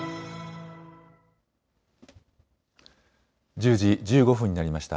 １０時１５分になりました。